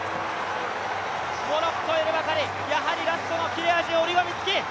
モロッコ、エルバカリ、やはりラストの切れ味、折り紙付き。